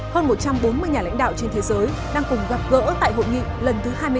hơn một trăm bốn mươi nhà lãnh đạo trên thế giới đang cùng gặp gỡ tại hội nghị lần thứ hai mươi ba